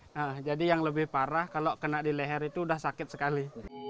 nah jadi yang lebih parah kalau kena di leher itu udah sakit sekali